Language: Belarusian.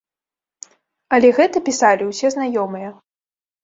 Але гэта пісалі ўсе знаёмыя.